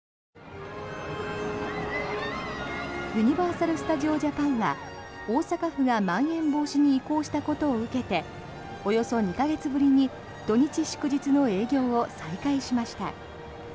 ユニバーサル・スタジオ・ジャパンは大阪府がまん延防止に移行したことを受けおよそ２か月ぶりに土日祝日の営業を再開しました。